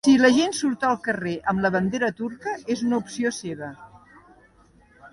Si la gent surt al carrer amb la bandera turca, és una opció seva.